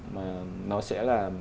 mà nó sẽ là